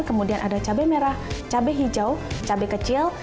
kemudian ada cabai merah cabai hijau cabai kecil